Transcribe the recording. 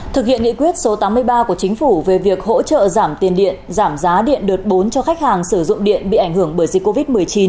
thực hiện nghị quyết số tám mươi ba của chính phủ về việc hỗ trợ giảm tiền điện giảm giá điện đợt bốn cho khách hàng sử dụng điện bị ảnh hưởng bởi dịch covid một mươi chín